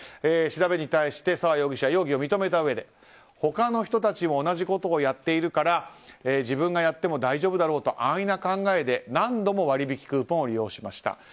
調べに対して沢容疑者は容疑を認めたうえで他の人たちも同じことをやっているから自分がやっても大丈夫だろうと安易な考えで何度も割引クーポンを利用しました。